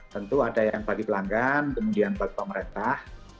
tentu ada yang bagi pelanggan kemudian bagi pemerintah